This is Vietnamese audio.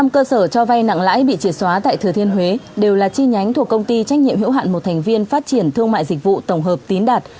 một mươi cơ sở cho vay nặng lãi bị triệt xóa tại thừa thiên huế đều là chi nhánh thuộc công ty trách nhiệm hữu hạn một thành viên phát triển thương mại dịch vụ tổng hợp tín đạt